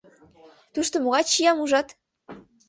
Тушто могай чиям ужат?